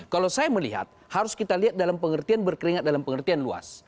kalau saya melihat harus kita lihat dalam pengertian berkeringat dalam pengertian luas